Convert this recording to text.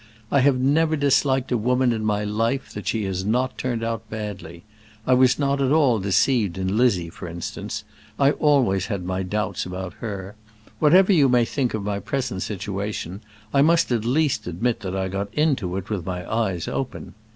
I have never disliked a woman in my life that she has not turned out badly. I was not at all deceived in Lizzie, for instance; I always had my doubts about her. Whatever you may think of my present situation, I must at least admit that I got into it with my eyes open.